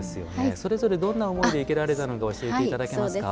それぞれどんな思いで生けられたのか教えていただけますか。